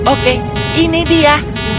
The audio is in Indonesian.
oke ini dia